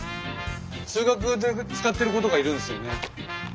通学で使ってる子とかいるんですよね。